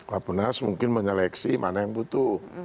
rabunas mungkin menyeleksi mana yang butuh